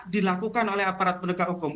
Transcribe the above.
dilakukan oleh aparat penegak hukum